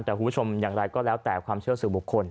แต่คุณผู้ชมอย่างไรก็แล้วแต่ความเชื่อสู่บุคคล